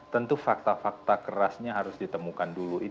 tentu fakta fakta kerasnya harus ditemukan dulu